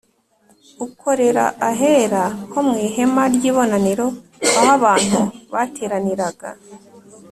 Ukorera ahera ho mu ihema ry’ibonaniro aho abantu bateraniraga